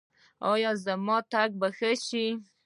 ایا زما تګ به ښه شي؟